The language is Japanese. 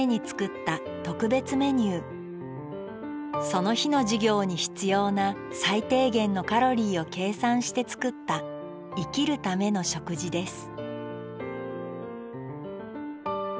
その日の授業に必要な最低限のカロリーを計算して作った生きるための食事です